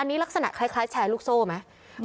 อันนี้ลักษณะคล้ายแชร์ลูกโซ่ไหม